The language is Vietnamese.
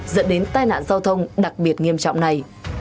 dẫn đến tai nạn giao thông đặc biệt nghiêm trọng này